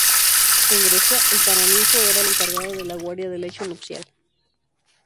En Grecia el paraninfo era el encargado de la guardia del lecho nupcial.